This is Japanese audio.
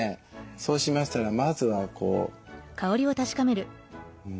そうしましたらまずはこう。